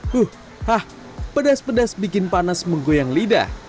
huh hah pedas pedas bikin panas menggoyang lidah